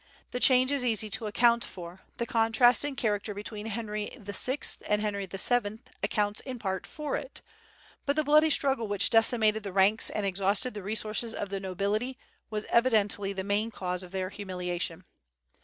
The change is easy to account for the contrast in character between Henry VI and Henry VII accounts in part for it; but the bloody struggle which decimated the ranks and exhausted the resources of the nobility was evidently the main cause of their humiliation.